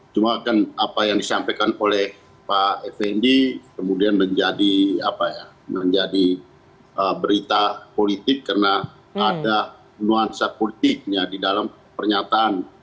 cuma kan apa yang disampaikan oleh pak effendi kemudian menjadi berita politik karena ada nuansa politiknya di dalam pernyataan